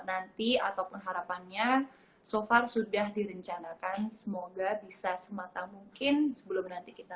nanti ataupun harapannya so far sudah direncanakan semoga bisa semata mungkin sebelum nanti kita